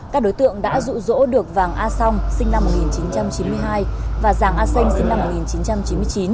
các đối tượng đã rụ rỗ được vàng a song sinh năm một nghìn chín trăm chín mươi hai và giàng a xanh sinh năm một nghìn chín trăm chín mươi chín